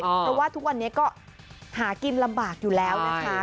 เพราะว่าทุกวันนี้ก็หากินลำบากอยู่แล้วนะคะ